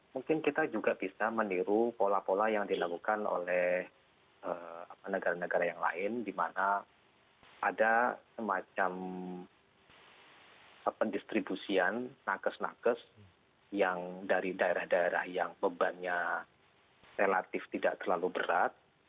mungkin kita juga bisa meniru pola pola yang dilakukan oleh negara negara yang lain di mana ada semacam pendistribusian nakes nakes yang dari daerah daerah yang bebannya relatif tidak terlalu berat